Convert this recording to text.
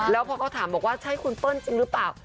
แล้วพอเขาถามบอกว่าใช่คุณเปิ้ลจริงหรือเปล่า